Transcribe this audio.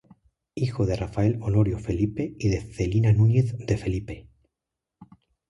Hijo de Rafael Honorio Felipe y de Celina Núñez de Felipe.